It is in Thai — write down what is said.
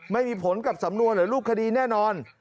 ไม่มีผลกับสำนวนหรือรูปคดีแน่นอน